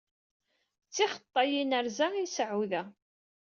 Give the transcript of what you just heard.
D tixeṭṭay inerza i nseɛɛu da.